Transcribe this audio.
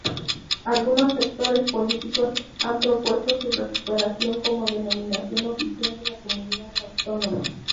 Algunos sectores políticos han propuesto su recuperación como denominación oficial de la Comunidad Autónoma.